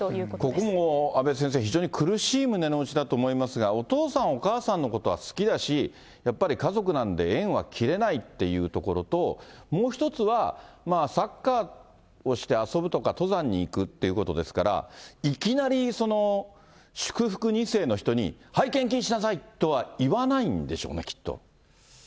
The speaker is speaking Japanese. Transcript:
ここも阿部先生、非常に苦しい胸の内だと思いますが、お父さん、お母さんのことは好きだし、やっぱり家族なんで縁は切れないっていうところと、もう一つは、サッカーをして遊ぶとか、登山に行くっていうことですから、いきなり、祝福２世の人に、はい、献金しなさいとは言わないんでしょうね、きっと。